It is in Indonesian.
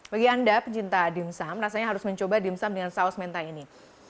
bagi anda pecinta dimsum rasanya harus mencoba dimsum dengan saus mentai ini